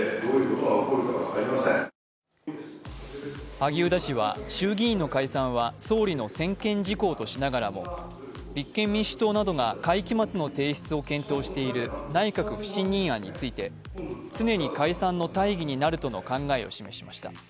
萩生田氏は衆議院の解散は総理の専権事項としながらも立憲民主党などが会期末の提出を検討している内閣不信任案について常に解散の大義になるとの考えを示しました。